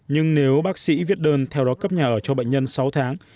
nhưng nếu bác sĩ viết đơn theo đó cấp nhà ở cho bệnh nhân sáu tháng